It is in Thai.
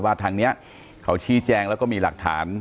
ทางนี้เขาชี้แจงแล้วก็มีหลักฐาน